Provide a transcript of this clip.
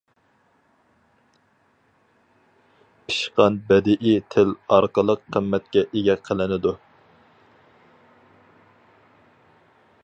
پىشقان بەدىئىي تىل ئارقىلىق قىممەتكە ئىگە قىلىنىدۇ.